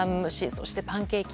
そして、パンケーキ。